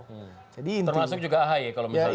termasuk juga ahaya kalau misalnya itu